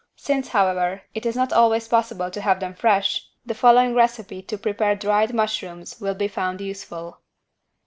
Since, however, it is not always possible to have them fresh, the following recipe to prepare dried mushrooms will be found useful.